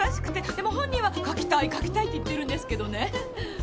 でも本人は書きたい書きたいって言ってるんですけどね。